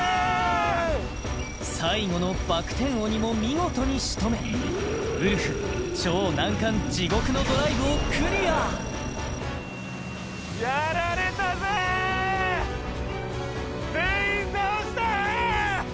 最後のバック転鬼も見事に仕留めウルフ超難関地獄のドライブをクリア！やられたぜー全員倒した！